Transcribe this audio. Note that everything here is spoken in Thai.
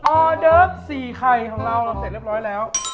ออเดิร์ฟ๔ไข่ของเราเราเสร็จเรียบร้อยแล้ว